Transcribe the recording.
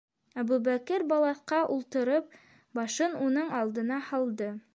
- Әбүбәкер балаҫҡа ултырып, башын уның алдына һалды.